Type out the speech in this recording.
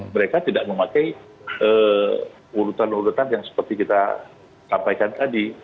mereka tidak memakai urutan urutan yang seperti kita sampaikan tadi